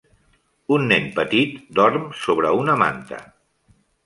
Un nen petit dorm sobre una manta.